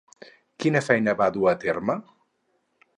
Quina feina va dur a terme?